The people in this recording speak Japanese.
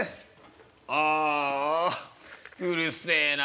「ああうるせえなあ。